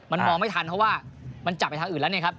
มันมองไม่ทันเพราะว่ามันจับไปทางอื่นแล้วเนี่ยครับ